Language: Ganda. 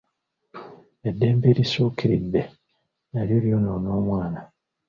Eddembe erisukkiridde nalyo lyonoona omwana.